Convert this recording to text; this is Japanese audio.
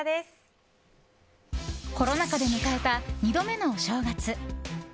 コロナ禍で迎えた２度目のお正月。